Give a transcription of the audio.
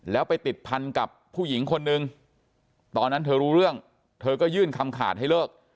แล้วไปติดพันกับผู้หญิงคนนึงตอนนั้นเธอรู้เรื่องเธอก็ยื่นคำขาดให้เลิก